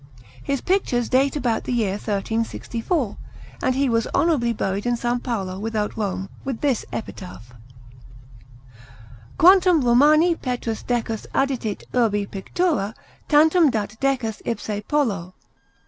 His pictures date about the year 1364, and he was honourably buried in S. Paolo without Rome, with this epitaph: QUANTUM ROMANÆ PETRUS DECUS ADDIDIT URBI PICTURA, TANTUM DAT DECUS IPSE POLO.